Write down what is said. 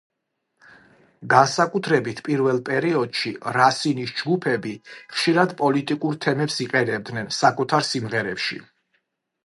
განსაკუთრებით პირველ პერიოდში რასინის ჯგუფები ხშირად პოლიტიკურ თემებს იყენებდნენ საკუთარ სიმღერებში.